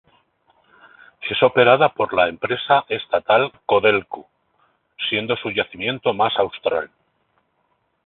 Es operada por la empresa estatal Codelco, siendo su yacimiento más austral.